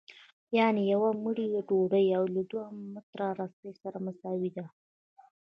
یانې یوه مړۍ ډوډۍ له دوه متره رسۍ سره مساوي ده